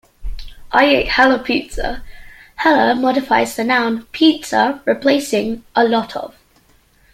"I ate hella pizza": "hella" modifies the noun "pizza", replacing "a lot of.